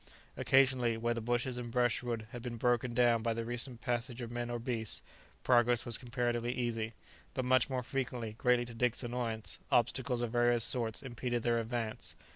Occasionally, where the bushes and brushwood had been broken down by the recent passage of men or beasts, progress was comparatively easy; but much more frequently, greatly to Dick's annoyance, obstacles of various sorts impeded their advance.